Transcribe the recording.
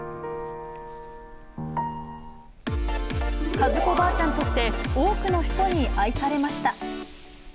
和子ばあちゃんとして、多くの人に愛されました。